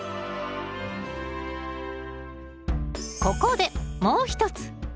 ここでもう一つ。